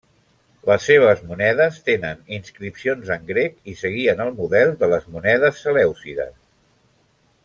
Les seves monedes tenen inscripcions en grec i seguien el model de les monedes selèucides.